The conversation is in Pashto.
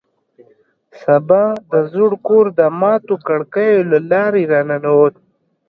سبا د زوړ کور د ماتو کړکیو له لارې راننوت